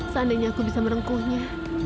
seandainya aku bisa merengkuhnya